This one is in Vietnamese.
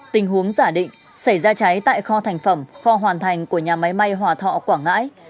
tình huống giả định xảy ra cháy tại kho thành phẩm kho hoàn thành của nhà máy may hòa thọ quảng ngãi